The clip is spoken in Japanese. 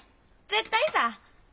絶対さぁ。